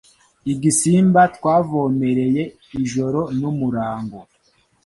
Igisimba twavomereye ijoro n'umurango